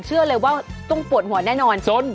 เชื่อเลยว่าต้องปวดหัวแน่นอน